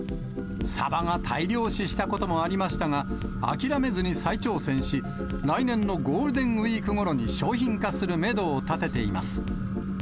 サバが大量死したこともありましたが、諦めずに再挑戦し、来年のゴールデンウィークごろに商品化するメドを立てています。